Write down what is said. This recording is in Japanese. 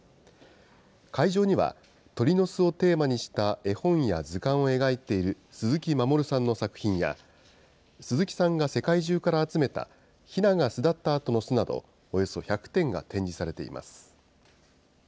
会場には鳥の巣をテーマにした絵本や図鑑を描いている鈴木まもるさんの作品や、鈴木さんが世界中から集めたひなが巣立ったあとの巣など、およそ１００点が展示されています。